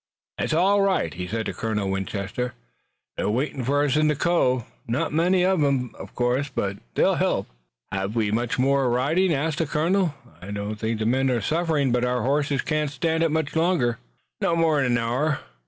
"It's all right," he said to Colonel Winchester. "They're waitin' for us in the cove, not many uv 'em, uv course, but they'll help." "Have we much more riding?" asked the colonel. "I don't think the men are suffering, but our horses can't stand it much longer." "Not more'n an hour."